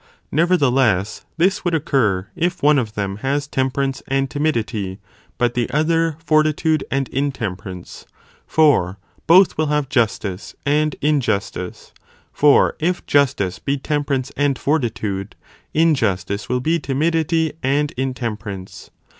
Nevertheless, this would occur if one of them has temperance and timidity, but the other, fortitude and intemperance, for both will have justice and injustice ; for if justice be temperance and fortitude, injustice will be timidity and intemperance.